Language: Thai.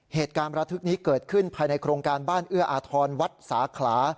เหตุการณ์ระทึกนี้เกิดขึ้นภายในโครงการบ้านเอื้ออาทรวัดสาขลา